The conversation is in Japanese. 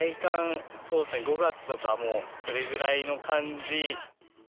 体感、そうですね、５月とか、もうそれぐらいの感じ。